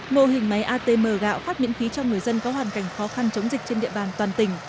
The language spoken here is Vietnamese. mô hình máy atm gạo phát miễn phí cho người dân có hoàn cảnh khó khăn chống dịch trên địa bàn toàn tỉnh